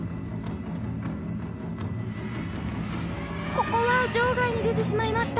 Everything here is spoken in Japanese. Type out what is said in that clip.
ここは場外に出てしまいました。